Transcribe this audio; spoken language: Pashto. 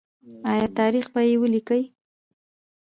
آیا تاریخ به یې ولیکي؟